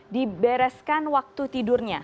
dibereskan waktu tidurnya